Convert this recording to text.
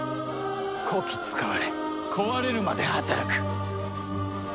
こき使われ壊れるまで働く。